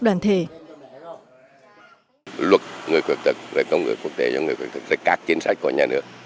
luật người khuyết tật luật công ngược quốc tế cho người khuyết tật các chính sách của nhà nước